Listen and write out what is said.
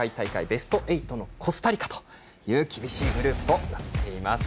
ベスト８のコスタリカという厳しいグループとなっています。